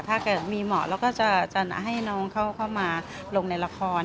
ถ้าเกิดมีเหมาะเราก็จะให้น้องเขาเข้ามาลงในละคร